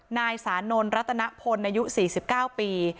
นายสานนลรัตนพลอายุสี่สิบเก้าปี